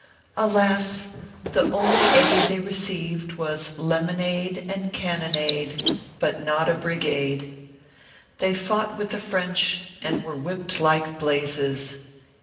Alas ! the only aid they re ceived was lemonade and cannonade but not a brig ade. They fought with the French, and were whipped like blazes.